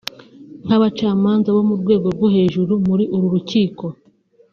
nk’abacamanza bo ku rwego rwo hejuru muri uru rukiko